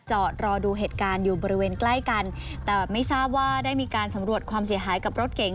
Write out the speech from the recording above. จอดรอดูเหตุการณ์อยู่บริเวณใกล้กันแต่ไม่ทราบว่าได้มีการสำรวจความเสียหายกับรถเก๋ง